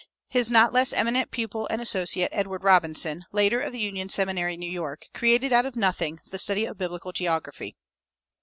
His not less eminent pupil and associate, Edward Robinson, later of the Union Seminary, New York, created out of nothing the study of biblical geography.